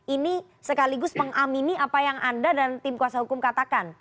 ini sekaligus mengamini apa yang anda dan tim kuasa hukum katakan